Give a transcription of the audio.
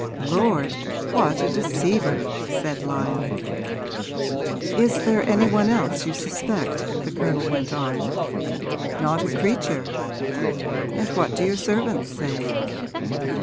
'Lord, what a deceiver!' said Lyon. 'Is there any one else you suspect?' the Colonel went on. 'Not a creature.' 'And what do your servants say?'